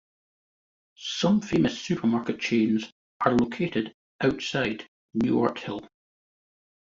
Some famous supermarket chains are located outside Newarthill.